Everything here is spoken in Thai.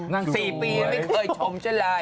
นั่งสี่ปีแล้วไม่เคยชมเช่นไร